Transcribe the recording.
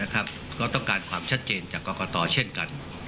ก็ต้องการความชัดเจนจากกรกตเช่นกัน